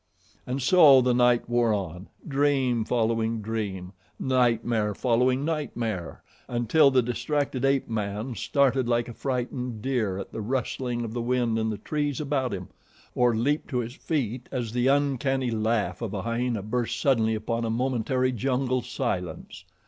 And so the night wore on, dream following dream, nightmare following nightmare, until the distracted ape man started like a frightened deer at the rustling of the wind in the trees about him, or leaped to his feet as the uncanny laugh of a hyena burst suddenly upon a momentary jungle silence.